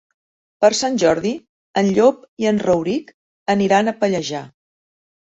Per Sant Jordi en Llop i en Rauric aniran a Pallejà.